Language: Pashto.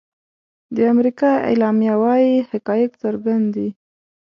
د امریکا اعلامیه وايي حقایق څرګند دي.